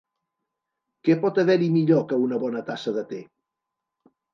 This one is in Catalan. Què pot haver-hi millor que una bona tassa de te?